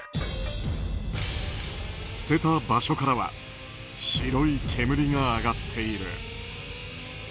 捨てた場所からは白い煙が上がっている。